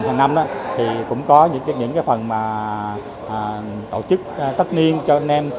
hàng năm thì cũng có những cái phần mà tổ chức tất niên cho anh em